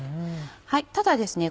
ただですね